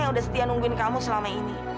yang udah setia nungguin kamu selama ini